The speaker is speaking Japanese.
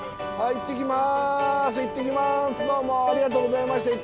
行ってきます！